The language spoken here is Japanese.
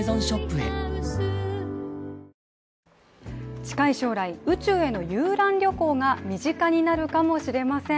近い将来、宇宙への遊覧旅行が身近になるかもしれません。